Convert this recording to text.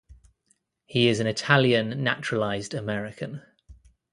He is an Italian naturalized American.